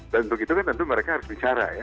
dan untuk itu kan tentu mereka harus bicara ya